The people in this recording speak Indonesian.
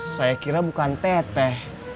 saya kira bukan teh teh